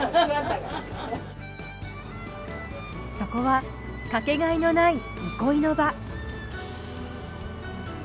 そこはかけがえのない憩いの場。